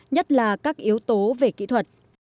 nhất là các yếu tố về kỹ thuật